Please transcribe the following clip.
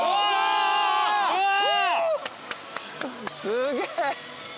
すげえ。